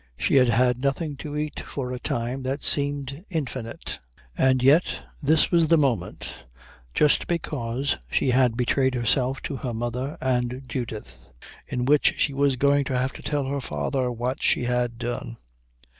She had had nothing to eat for a time that seemed infinite. And yet this was the moment, just because she had betrayed herself to her mother and Judith, in which she was going to have to tell her father what she had done.